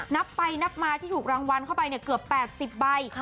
นับไปนับมาที่ถูกรางวัลเข้าไปเกือบ๘๐ใบ